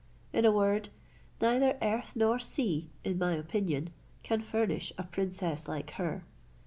In a word, neither earth nor sea, in my opinion, can furnish a princess like her.